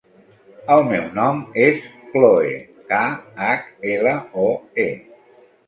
El meu nom és Khloe: ca, hac, ela, o, e.